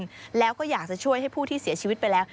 หลังจะช่วยให้ผู้ที่เสียชีวิตไปแล้ว